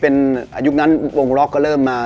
สมมุติวงดนตรี